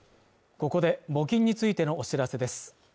ここで募金についてのお知らせです